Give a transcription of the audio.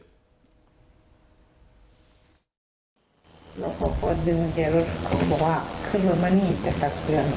เราก็ดึงในรถบอกว่าขึ้นมานี่จะตัดเตือน